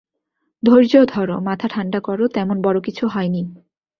ধৈর্য ধরো, মাথা ঠান্ডা করো, তেমন বড় কিছু হয়নি।